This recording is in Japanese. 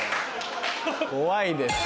怖いです。